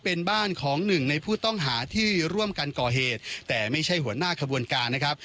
เป็นบ้านของหนึ่งในผู้ต้องหาที่ร่วมกันก่อเหตุแต่ไม่ใช่หัวหน้าขบวนการนะครับ